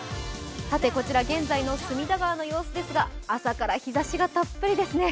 さて、こちら現在の隅田川の様子ですが、朝から日ざしがたっぷりですね。